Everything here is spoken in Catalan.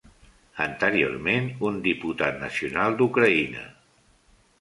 Anteriorment un diputat nacional d'Ucraïna.